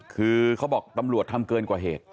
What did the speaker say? คือเขาบอกตำรวจทำเกินกว่าเหตุ